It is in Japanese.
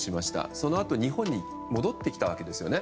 そのあと日本に戻ってきたわけですよね。